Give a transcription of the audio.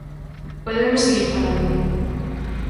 Podemos seguir falando.